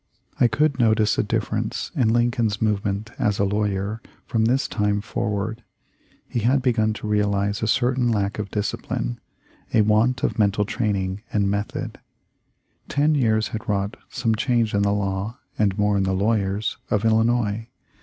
I could notice a difference in Lincoln's movement as a lawyer from this time forward. He had begun to realize a certain lack of discipline — a want of mental training and method. Ten years had wrought some change in the law, and more in the lawyers, of Illinois.